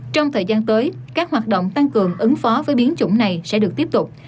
trong thời gian tới các hoạt động tăng cường ứng phó với biến chủng này sẽ được tiếp tục